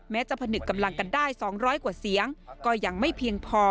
จะผนึกกำลังกันได้๒๐๐กว่าเสียงก็ยังไม่เพียงพอ